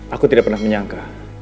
aku tidak pernah menyangka